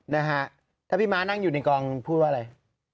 นะฮะถ้าพี่ม้านั่งอยู่ในกองพูดว่าอะไร